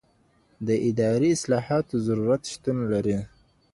د اداري اصلاحاتو ضرورت شتون لري.